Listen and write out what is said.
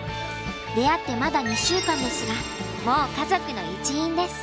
出会ってまだ２週間ですがもう家族の一員です。